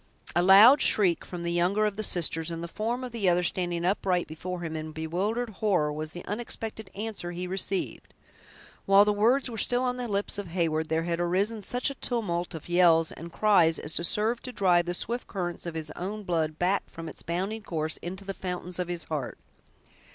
A loud shriek from the younger of the sisters, and the form of the other standing upright before him, in bewildered horror, was the unexpected answer he received. While the words were still on the lips of Heyward, there had arisen such a tumult of yells and cries as served to drive the swift currents of his own blood back from its bounding course into the fountains of his heart.